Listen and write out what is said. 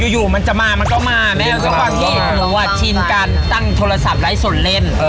อยู่อยู่มันจะมามันก็มาแม้ก็ความที่หนูอ่ะชินการตั้งโทรศัพท์ได้ส่วนเล่น